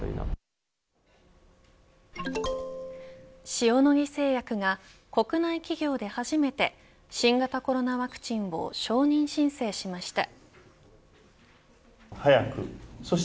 塩野義製薬が国内企業で初めて新型コロナワクチンを承認申請しました。